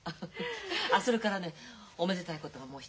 それからねおめでたいことがもう一つ。